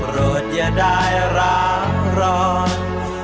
โปรดอย่าได้ร้างร้อน